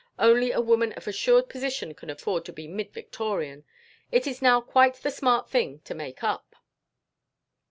Only a woman of assured position can afford to be mid Victorian. It is now quite the smart thing to make up."